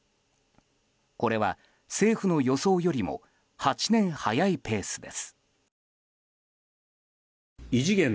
これは、政府の予想よりも８年早いペースです。